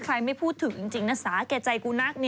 ไม่พูดถึงจริงนะสาแก่ใจกูนัก